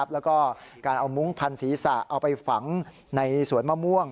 แล้วก็การเอามุ้งพันศีรษะเอาไปฝังในสวนมะม่วง